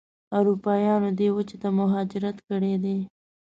اروپایانو دې وچې ته مهاجرت کړی دی.